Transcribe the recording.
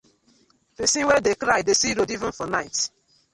Pesin wey dey cry dey see road even for night.